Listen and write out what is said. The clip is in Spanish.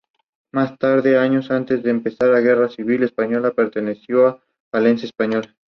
La porción inferior pasó a Godofredo mientras que la superior a un Federico.